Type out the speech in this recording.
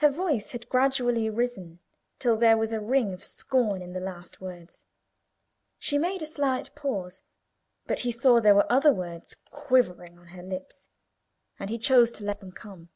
Her voice had gradually risen till there was a ring of scorn in the last words; she made a slight pause, but he saw there were other words quivering on her lips, and he chose to let them come.